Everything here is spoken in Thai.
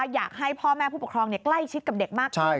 อยากให้พ่อแม่ผู้ปกครองใกล้ชิดกับเด็กมากขึ้น